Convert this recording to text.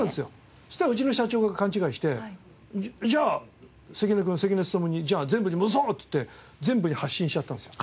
そしたらうちの社長が勘違いして「じゃあ関根君“関根勤”に戻そう」って言って全部に発信しちゃったんですよ。